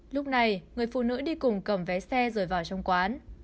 lúc này người phụ nữ đi cùng cầm vé xe rồi vào trong quán